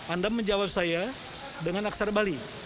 anda menjawab saya dengan aksara bali